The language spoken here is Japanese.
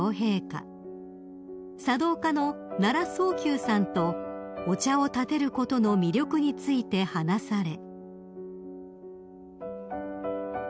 ［茶道家の奈良宗久さんとお茶をたてることの魅力について話され］